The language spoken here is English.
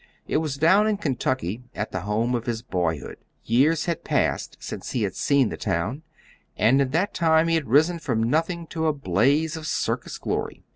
It was down in Kentucky, at the home of his boyhood. Years had passed since he had seen the town, and in that time he had risen from nothing to a blaze of circus glory.